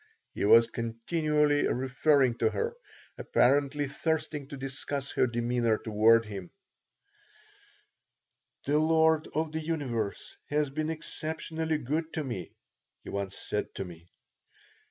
He was continually referring to her, apparently thirsting to discuss her demeanor toward him "The Lord of the Universe has been exceptionally good to me," he once said to me.